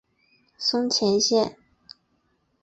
松前线。